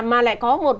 mà lại có một